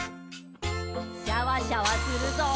シャワシャワするぞ。